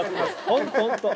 ホントホント。